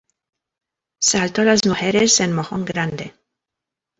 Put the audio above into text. Salto Las Mujeres en Mojón Grande.